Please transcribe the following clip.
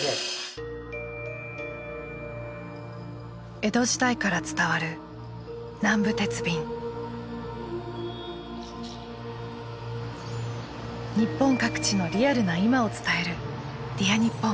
江戸時代から伝わる日本各地のリアルな今を伝える「Ｄｅａｒにっぽん」。